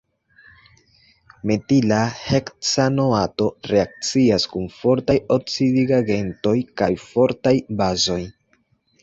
Metila heksanoato reakcias kun fortaj oksidigagentoj kaj fortaj bazoj.